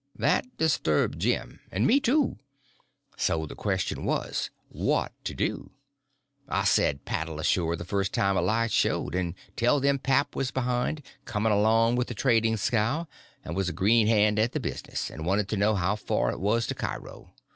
That disturbed Jim—and me too. So the question was, what to do? I said, paddle ashore the first time a light showed, and tell them pap was behind, coming along with a trading scow, and was a green hand at the business, and wanted to know how far it was to Cairo.